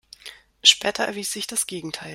Später erwies sich das Gegenteil.